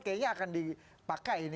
kayaknya akan dipakai ini